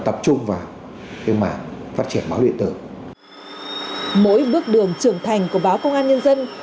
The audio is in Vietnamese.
tập trung vào cái mạng phát triển báo điện tử mỗi bước đường trưởng thành của báo công an nhân dân